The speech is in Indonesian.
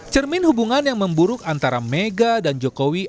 cermin hubungan yang memburuk antara mega dan jokowi